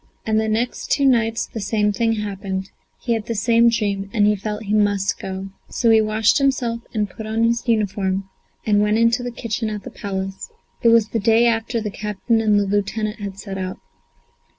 And the next two nights the same thing happened; he had the same dream, and he felt he must go. So he washed himself and put on his uniform, and went into the kitchen at the Palace. It was the day after the captain and the lieutenant had set out.